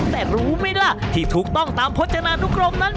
แต่รู้ไหมล่ะที่ถูกต้องตามพจนานุกรมนั้น